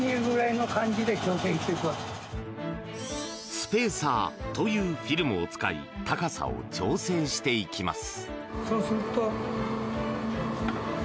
スぺーサーというフィルムを使い高さを調整していきます。